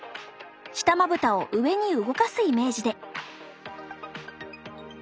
下まぶたを上に動かすイメージで。